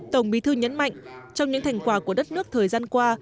tổng bí thư nhấn mạnh trong những thành quả của đất nước thời gian qua